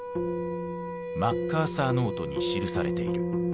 「マッカーサー・ノート」に記されている。